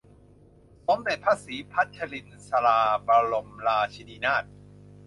สมเด็จพระศรีพัชรินทราบรมราชินีนาถ